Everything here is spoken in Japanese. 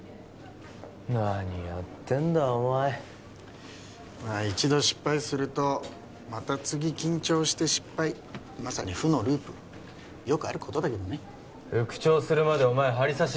何やってんだお前一度失敗するとまた次緊張して失敗まさに負のループよくあることだけどね復調するまでお前針刺し